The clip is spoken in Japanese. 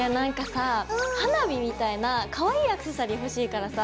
さ花火みたいなかわいいアクセサリー欲しいからさ。